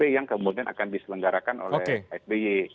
yang kemudian akan diselenggarakan oleh sby